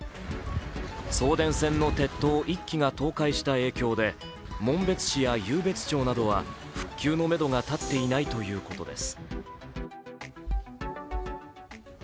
送電線の鉄塔１基が倒壊した影響で紋別市や湧別町などは復旧のめどが立っていないということです。